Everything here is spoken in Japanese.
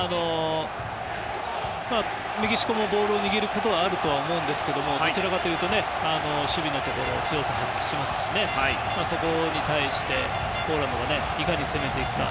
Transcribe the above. メキシコもボールを握ることはあるとは思いますがどちらかというと守備で強さを発揮しますしそこに対して、ポーランドがいかに攻めていくか。